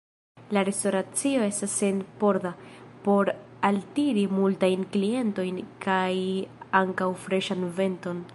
La restoracio estis senporda, por altiri multajn klientojn kaj ankaŭ freŝan venton.